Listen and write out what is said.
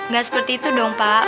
gak seperti itu dong pak